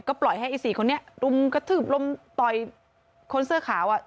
ก็ปล่อยให้อีสี่คนนี้รุมกระทืบรุมต่อยคนเสื้อขาว